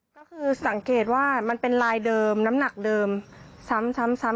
ก็คือสังเกตว่ามันเป็นลายเดิมน้ำหนักเดิมซ้ำซ้ำ